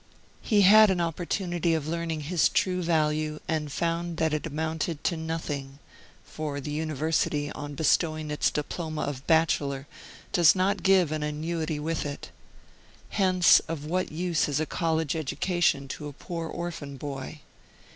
He had an opportunity of learning his true value, and found that it amounted to nothing; for the university, on bestowing its diploma of bachelor, does not give an annuity with it. Hence of what use is a college education to a poor orphan boy?